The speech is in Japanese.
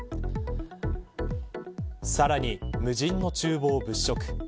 さらに、無人の厨房を物色。